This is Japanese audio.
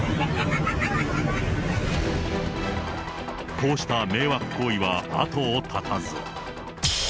こうした迷惑行為は後を絶たず。